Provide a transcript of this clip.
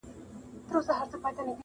ګناه بل وکړي کسات یې له ما خېژي,